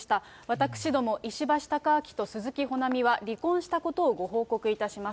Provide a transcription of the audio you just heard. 私ども、石橋貴明と鈴木保奈美は、離婚したことをご報告いたします。